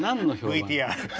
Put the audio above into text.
ＶＴＲ。